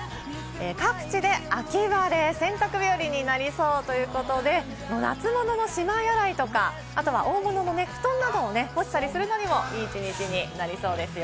各地で秋晴れ、洗濯日和になりそう。ということで、夏物のしまい洗いとか、大物の布団などを干したりするのにもいい一日になりそうですよ。